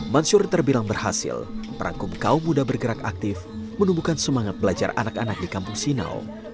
mansur terbilang berhasil merangkum kaum muda bergerak aktif menumbuhkan semangat belajar anak anak di kampung sinao